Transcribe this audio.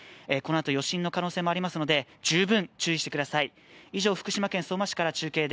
このあと余震の可能性もありますので、十分注意してください。